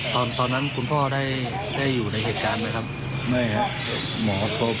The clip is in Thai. ตอนนั้นคุณพ่อได้อยู่ในเหตุการณ์ไหมครับ